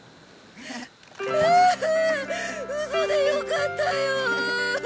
うわんウソでよかったよ！